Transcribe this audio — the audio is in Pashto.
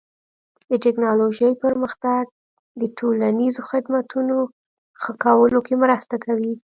د ټکنالوژۍ پرمختګ د ټولنیزو خدمتونو ښه کولو کې مرسته کوي.